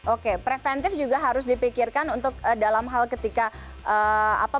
oke preventif juga harus dipikirkan untuk dalam hal ketika apa